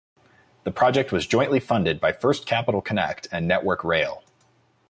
The project was jointly funded by First Capital Connect and Network Rail.